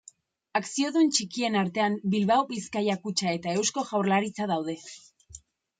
Akziodun txikien artean Bilbao Bizkaia Kutxa eta Eusko Jaurlaritza daude.